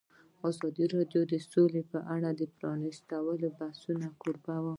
ازادي راډیو د سوله په اړه د پرانیستو بحثونو کوربه وه.